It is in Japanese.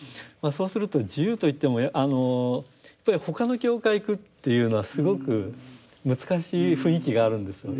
そうすると自由といってもあのやっぱり他の教会行くっていうのはすごく難しい雰囲気があるんですよ。